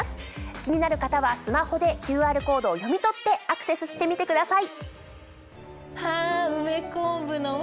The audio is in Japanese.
気になる方はスマホでＱＲコードを読み取ってアクセスしてみてください。